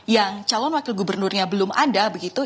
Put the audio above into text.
yang calon wakil gubernurnya belum ada begitu